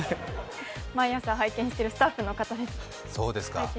毎朝、拝見しているスタッフの方です。